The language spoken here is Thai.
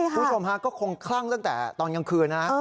คุณผู้ชมฮะก็คงคลั่งตั้งแต่ตอนกลางคืนนะ